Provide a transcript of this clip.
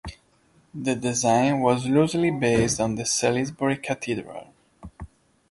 The design was loosely based on that of Salisbury Cathedral.